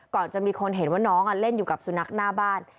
ก่อนจะมีคนเห็นว่าน้องเล่นอยู่กับสุนัขหน้าบ้าน